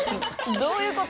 どういうこと。